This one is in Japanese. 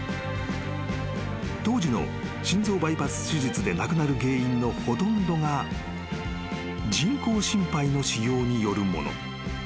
［当時の心臓バイパス手術で亡くなる原因のほとんどが人工心肺の使用によるもの］